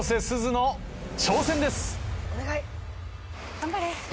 頑張れ。